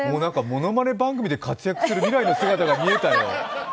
ものまね番組で活躍する未来の姿が見えたよ。